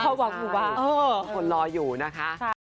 ความหวังหมู่บ้านคนรออยู่นะคะ